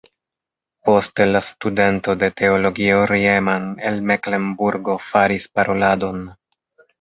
Poste la studento de teologio Riemann el Meklenburgo faris paroladon.